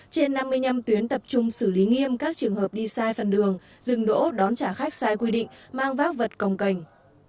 trên năm mươi năm tuyến tập trung xử lý nghiêm các trường hợp đi sai phần đường dừng đỗ đón trả khách sai quy định mang vác vật công cành